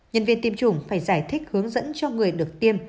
nhân viên tiêm chủng phải giải thích hướng dẫn cho người được tiêm